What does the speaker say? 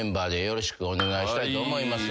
よろしくお願いします。